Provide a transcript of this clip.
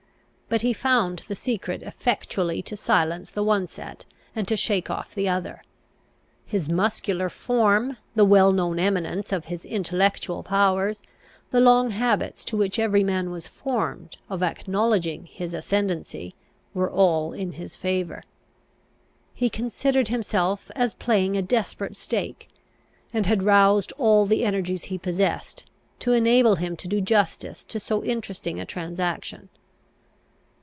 But he found the secret effectually to silence the one set, and to shake off the other. His muscular form, the well known eminence of his intellectual powers, the long habits to which every man was formed of acknowledging his ascendancy, were all in his favour. He considered himself as playing a desperate stake, and had roused all the energies he possessed, to enable him to do justice to so interesting a transaction.